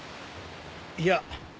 いや。